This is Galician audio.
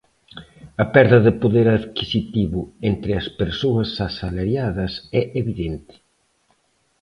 A perda de poder adquisitivo entre as persoas asalariadas é evidente.